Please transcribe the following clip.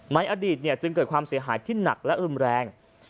ในอดีตจึงเกิดความเสียหายที่หนักและรุนแรง